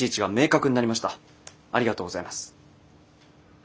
ありがとうございます。